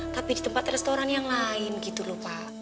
tapi di tempat restoran yang lain gitu loh pak